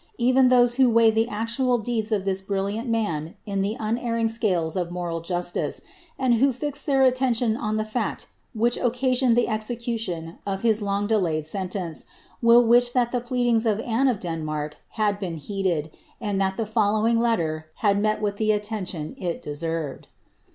Even those who weigh the actual deeds of this brilliant man in the un erring scales of moral justice, and who Bx their attention on the fact which occasioned the execution of his long delayed sentence, will wish that the pleadings of Anne of Denmark had been heeded, and that the following letter had met with the attention it deserved.